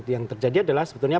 yang terjadi adalah sebetulnya